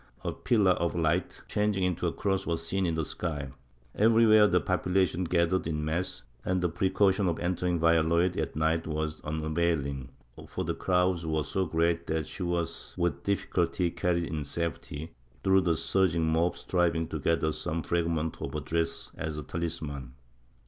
A pillar of hght, changing into a cross, was seen in the sky; everywhere the population gathered in mass, and the precaution of entering Valladolid at night was unavailing, for the crowds were so great that she was with difficulty carried in safety, through the surging mob striving to gather some fragment of her dress as a talisman.